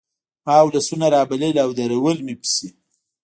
ما ولسونه رابلل او درول مې پسې